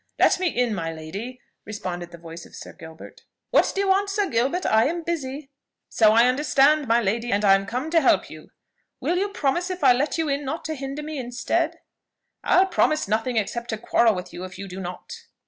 "Let me in, my lady!" responded the voice of Sir Gilbert. "What do you want, Sir Gilbert? I am busy." "So I understand, my lady, and I'm come to help you." "Will you promise, if I let you in, not to hinder me, instead?" "I'll promise nothing, except to quarrel with you if you do not."